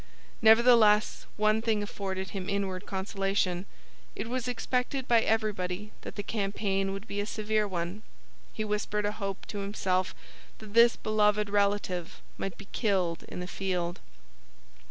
Nevertheless, one thing afforded him inward consolation; it was expected by everybody that the campaign would be a severe one. He whispered a hope to himself that this beloved relative might be killed in the field.